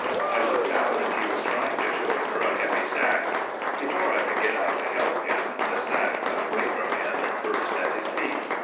I looked out and he was trying to shoulder a heavy sack. Before I could get out to help him, the sack got away from him and burst at his feet.